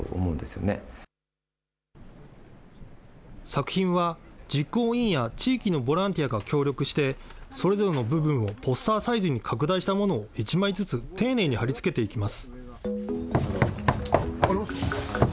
作品は、実行委員や地域のボランティアが協力して、それぞれの部分をポスターサイズに拡大したものを、１枚ずつ丁寧に貼り付けていきます。